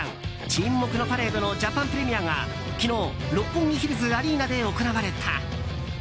「沈黙のパレード」のジャパンプレミアが、昨日六本木ヒルズアリーナで行われた。